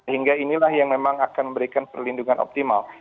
hingga inilah yang memang akan memberikan perlindungan optimal